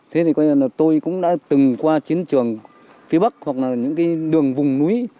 thế thì coi như là tôi cũng đã từng qua chiến trường phía bắc hoặc là những cái đường vùng núi